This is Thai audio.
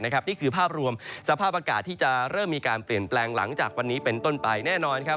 นี่คือภาพรวมสภาพอากาศที่จะเริ่มมีการเปลี่ยนแปลงหลังจากวันนี้เป็นต้นไปแน่นอนครับ